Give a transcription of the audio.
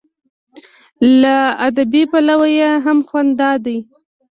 له ادبي پلوه یې هم خوند دا دی.